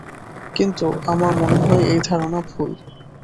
কিন্তু আমার মনে হয় এই ধারণা ভুল।